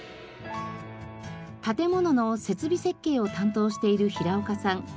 建物の設備設計を担当している平岡さん。